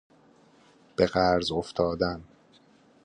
به قرض افتادن